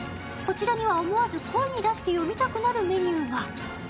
こちらには思わず声に出して読みたくなるメニューが。